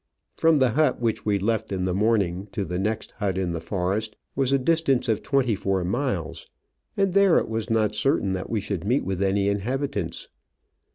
From the hut which we left in the morning to the next hut in the forest was a distance of twenty four miles, and there it was not certain that we should meet with any inhabitants.